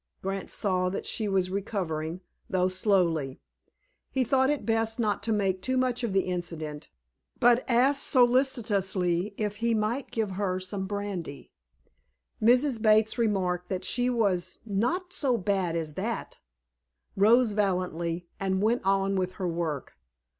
Grant saw that she was recovering, though slowly. He thought it best not to make too much of the incident; but asked solicitously if he might give her some brandy. Mrs. Bates remarked that she was "not so bad as that," rose valiantly, and went on with her work.